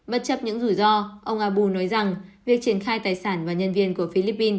bất chấp những rủi ro ông abu nói rằng việc triển khai tài sản và nhân viên của philippines